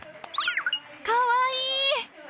かわいい！